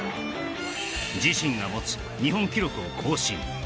自身が持つ日本記録を更新